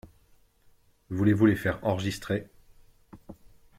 Voulez-vous les faire enregistrer ?…